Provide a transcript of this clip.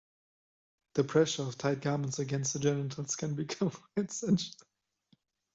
The pressure of tight garments against the genitals can become quite sensual.